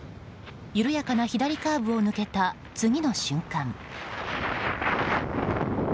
緩やかな左カーブを抜けた次の瞬間。